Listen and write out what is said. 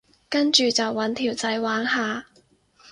跟住就搵條仔玩下